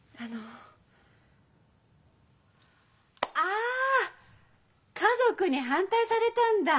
あ家族に反対されたんだ！